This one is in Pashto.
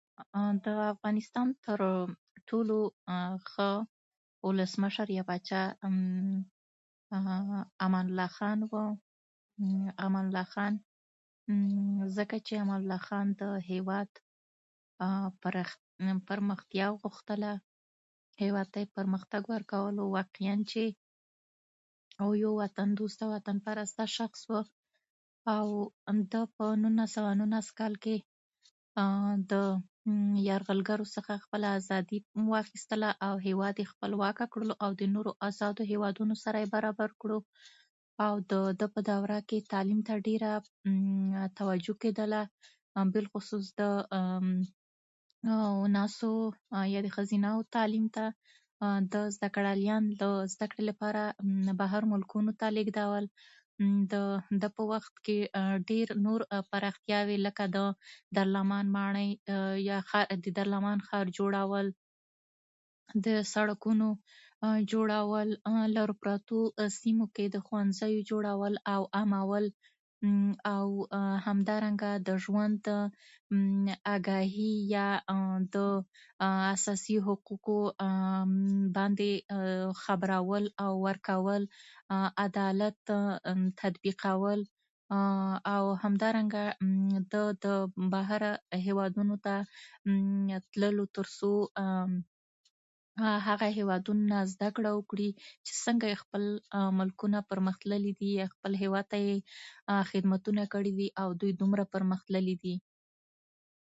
د افغانستان تر ټولو ښه ولسمشر یا پاچا امان الله خان و. امان الله خان ځکه چې امان الله خان د هېواد پراختیا، پرمختیا غوښتله، هېواد ته یې پرمختګ ورکولو واقعاً، او یو وطن‌دوسته او وطن‌پرسته شخص و. او همده په نولس سوه نولس کال کې د یرغلګرو څخه خپله ازادي هم واخیستله، او هېواد یې هم خپلواکه کړلو، او د نورو ازادو هېوادونو سره یې برابر کړو. او د ده په دوره کې د تعلیم ته ډېره توجه کېدله، بالخصوص د اناثو یا ښځینه وو تعلیم ته. د ده زده‌کړیالان له زده کړې لپاره بهر ملکونو ته لېږدول. د ده په وخت کې ډېرې نورې پراختیاوې، لکه د دارالامان ماڼۍ یا د دارالامان ښار جوړول، د سړکونو جوړول، لرو پرتو سیمو کې د ښوونځیو جوړول او عامول، او همدارنګه د ژوند د آګاهي یا د اساسي حقوقو باندې خبرول او ورکول، عدالت تطبیقول، او همدارنګه د بهر هېوادونو ته تللو، تر څو هغه هېوادونو زده کړه وکړي چې څنګه یې خپل ملکونه پرمختللي دي، یا خپل هېواد ته یې خدمتونه کړي دي، یا دومره پرمختللي دي.